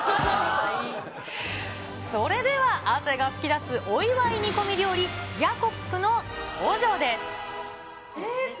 それでは、汗が噴き出すお祝い煮込み料理、ギャコックの登場です。